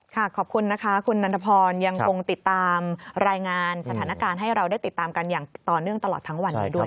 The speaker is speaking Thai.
ขอบคุณนะคะคุณนันทพรยังคงติดตามรายงานสถานการณ์ให้เราได้ติดตามกันอย่างต่อเนื่องตลอดทั้งวันนี้ด้วย